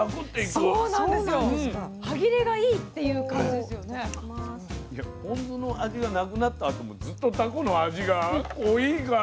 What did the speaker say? でポン酢の味がなくなったあともずっとタコの味が濃いいから。